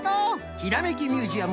「ひらめきミュージアム」